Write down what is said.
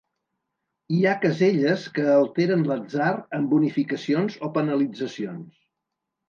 Hi ha caselles que alteren l'atzar amb bonificacions o penalitzacions.